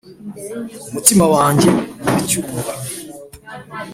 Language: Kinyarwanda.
umutima wanjye uracyumva.